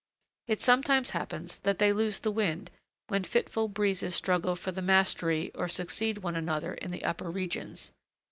It sometimes happens that they lose the wind, when fitful breezes struggle for the mastery or succeed one another in the upper regions.